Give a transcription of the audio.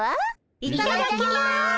いただきます。